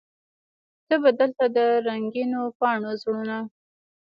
ته به دلته د رنګینو پاڼو زړونه